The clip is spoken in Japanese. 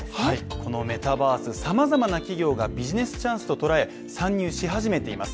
このメタバース様々な企業がビジネスチャンスととらえ、参入し始めています。